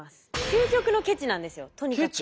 究極のケチなんですよとにかく。